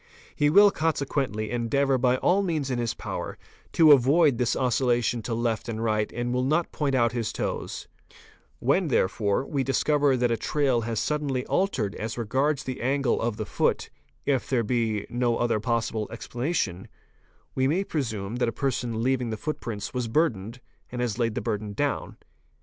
He will msequently endeavour by all the means in his power to avoid this oscil | ition to left and right and will not point out his toes, When therefore 66 52393 FOOTPRINTS we discover that a trail has suddenly altered as regards the angle of the foot, if there be no other possible explanation, we may presume that the person leaving the footprints was burdened and has laid the burden down.